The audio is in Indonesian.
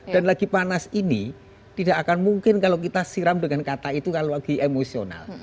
dan lagi panas ini tidak akan mungkin kalau kita siram dengan kata itu kalau lagi emosional